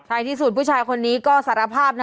ที่สุดผู้ชายคนนี้ก็สารภาพนะ